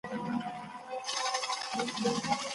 چټک تګ د ژوند لپاره خطرناک دی.